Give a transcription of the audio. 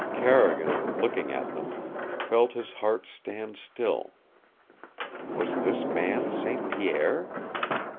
Carrigan, looking at them, felt his heart stand still. WAS THIS MAN ST. PIERRE?